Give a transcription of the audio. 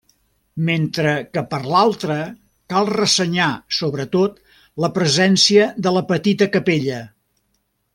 Mentre que per l'altra, cal ressenyar sobretot la presència de la petita capella.